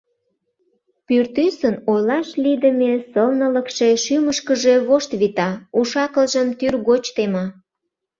Пӱртӱсын ойлаш лийдыме сылнылыкше шӱмышкыжӧ вошт вита, уш-акылжым тӱргоч тема.